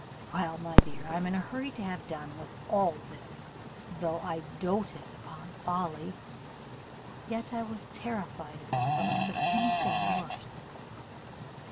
Well, my dear, I am in a hurry to have done with all this: though I 'doted upon folly,' yet I was terrified at the thoughts of any thing worse.